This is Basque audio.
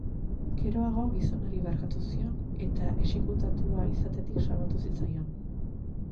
Geroago gizonari barkatu zion eta exekutatua izatetik salbatu zitzaion.